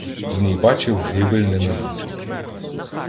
В ній бачив гибель неминучу